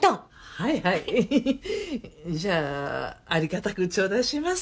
はいはいじゃあありがたく頂戴します。